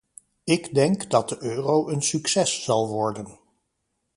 Ik denk dat de euro een succes zal worden.